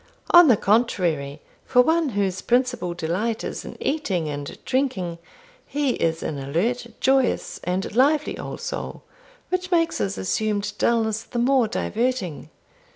On the contrary, for one whose principal delight is in eating and drinking, he is an alert, joyous, and lively old soul, which makes his assumed dulness the more diverting.